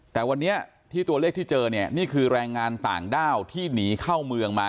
แต่วันนี้ที่ตัวเลขที่เจอเนี่ยนี่คือแรงงานต่างด้าวที่หนีเข้าเมืองมา